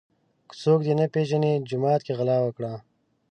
ـ که څوک دې نه پیژني جومات کې غلا وکړه.